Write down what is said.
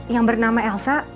yang bernama elsa